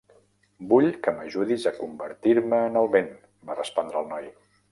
"Vull que m'ajudis a convertir-me en el vent", va respondre el noi.